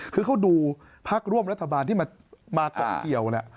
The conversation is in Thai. คือเขาดูพักร่วมรัฐบาลที่มาเกาะเกี่ยวเนี่ย